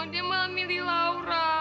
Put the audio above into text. dia mau milih laura